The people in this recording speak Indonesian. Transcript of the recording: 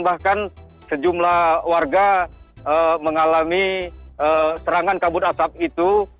bahkan sejumlah warga mengalami serangan kabut asap itu